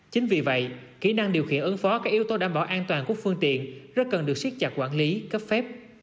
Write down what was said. chính vì vậy kỹ năng điều khiển ứng phó các yếu tố đảm bảo an toàn của phương tiện rất cần được siết chặt quản lý cấp phép